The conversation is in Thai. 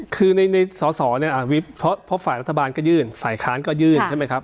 คือในสอสอเนี่ยวิบเพราะฝ่ายรัฐบาลก็ยื่นฝ่ายค้านก็ยื่นใช่ไหมครับ